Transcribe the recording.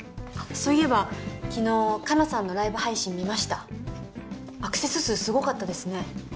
そういえば昨日香菜さんのライブ配信見ましたアクセス数すごかったですね